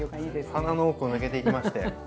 鼻の奥を抜けていきましたよ。